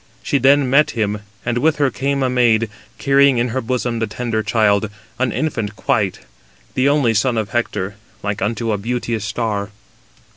She then met him; and with her came a maid, carrying in her bosom the tender child, an infant quite, the only son of Hector, like unto a beauteous star.